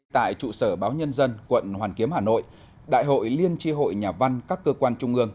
tại trụ sở báo nhân dân quận hoàn kiếm hà nội đại hội liên tri hội nhà văn các cơ quan trung ương